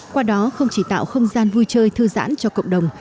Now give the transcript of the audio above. qua đó không chỉ tạo không gian vui chơi thư giãn cho cộng đồng